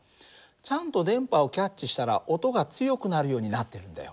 ちゃんと電波をキャッチしたら音が強くなるようになってるんだよ。